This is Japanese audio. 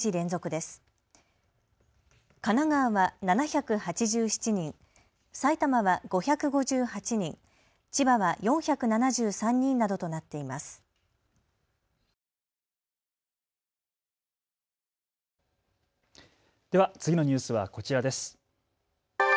では次のニュースはこちらです。